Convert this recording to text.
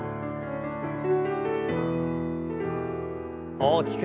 大きく。